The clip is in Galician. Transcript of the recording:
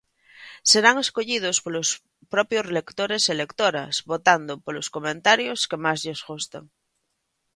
Serán escollidos polos propios lectores e lectoras, votando polos comentarios que máis lles gusten.